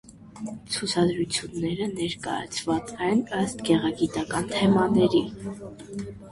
Ցուցադրությունները ներկայացված են ըստ գեղագիտական թեմաների։